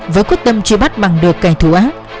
với quyết tâm truy bắt bằng được kẻ thù ác